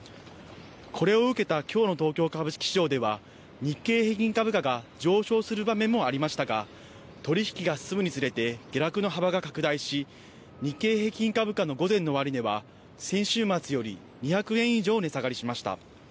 これを受けたきょうの東京株式市場では日経平均株価が上昇する場面もありましたが取り引きが進むにつれて下落の幅が拡大し、日経平均株価の午前の終値は先週末より２００円以上値下がりしました。